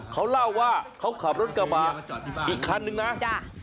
เขาเล่าว่าเขาขับรถกระบะอีกคันนึงนะจ้ะ